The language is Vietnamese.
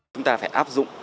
chúng ta phải áp dụng